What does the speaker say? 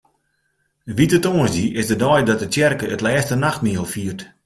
Wite Tongersdei is de dei dat de tsjerke it Lêste Nachtmiel fiert.